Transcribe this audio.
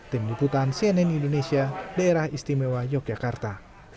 tim liputan cnn indonesia daerah istimewa yogyakarta